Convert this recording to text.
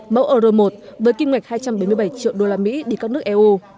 mẫu euro một với kinh hoạch hai trăm bảy mươi bảy triệu đô la mỹ đi các nước eu